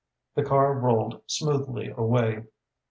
The car rolled smoothly away.